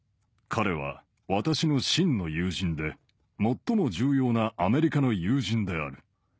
彼は私の真の友人で、最も重要なアメリカの友人である。